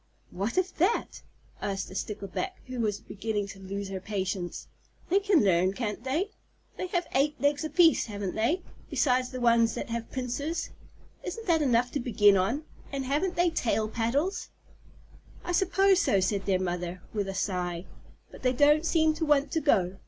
"What of that?" asked a Stickleback, who was beginning to lose her patience. "They can learn, can't they? They have eight legs apiece, haven't they, besides the ones that have pincers? Isn't that enough to begin on? And haven't they tail paddles?" "I suppose so," said their mother, with a sigh, "but they don't seem to want to go.